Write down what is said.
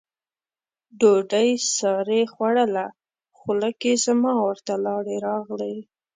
ډوډۍ سارې خوړله، خوله کې زما ورته لاړې راغلې.